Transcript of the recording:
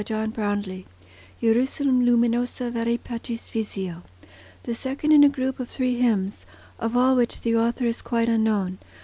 Heaven JERUSALEM LUMINOSA VERÆ PACIS VISIO The second in a group of three hymns, of all which the author is quite unknown.